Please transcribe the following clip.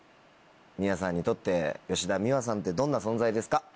ｍｉｗａさんにとって吉田美和さんってどんな存在ですか？